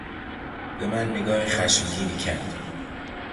به من نگاه خشمگینی کرد.